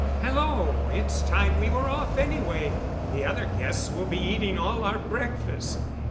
"Hello! It's time we were off anyway. The other guests will be eating all our breakfast.